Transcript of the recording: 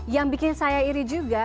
yang bikin saya iri juga